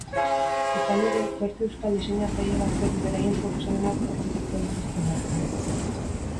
Izan ere, zortzi euskal diseinatzaile gaztek beraien proposamenak aurkeztuko dituzte bertan.